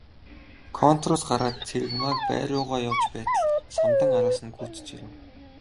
Контороос гараад Цэрэгмааг байр руугаа явж байтал Самдан араас нь гүйцэж ирэв.